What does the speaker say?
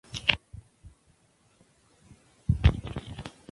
Se concentraban en el comercio y abastecimiento de las barracas militares de Zamość.